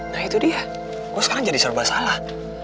nah itu dia gue sekarang jadi serba salah